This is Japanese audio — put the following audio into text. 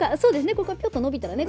ここがぴゅっと伸びたらね。